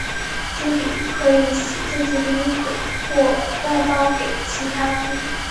朱比可以洗自己的衣服或外包给其他朱比。